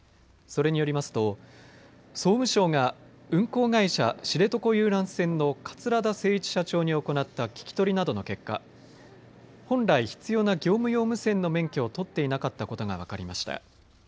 それによりますと総務省が運航会社、知床遊覧船の桂田精一社長に行った聞き取りなどの結果、本来必要な業務用無線の免許を取っていなかったことが分かりました。